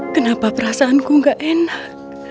kenapa perasaanku nggak enak